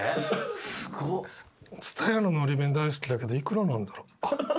すごっ津多屋ののり弁大好きだけどいくらなんだろ